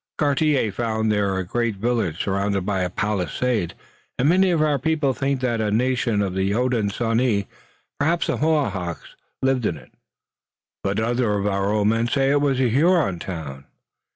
"Cartier found there a great village surrounded by a palisade, and many of our people think that a nation of the Hodenosaunee, perhaps the Mohawks, lived in it, but other of our old men say it was a Huron town.